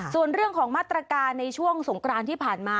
ส่วนเรื่องของมาตรการในช่วงสงกรานที่ผ่านมา